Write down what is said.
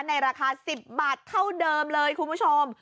ในราคา๑๐บาทเท่าเดิมเลยคุณผู้ชม